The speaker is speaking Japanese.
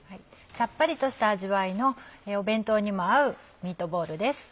さっぱりとした味わいの弁当にも合うミートボールです。